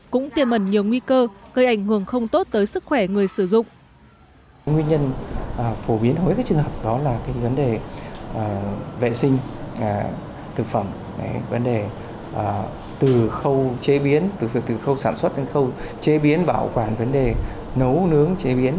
cũng tiềm ẩn nhiều nguy cơ gây ảnh hưởng không tốt tới sức khỏe người sử dụng